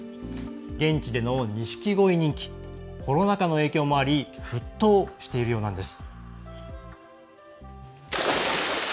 現地での錦鯉人気コロナ禍の影響もあり沸騰しているようなんです。